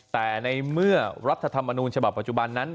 แต่ในเมื่อรัฐธรรมนูญฉบับปัจจุบันนั้น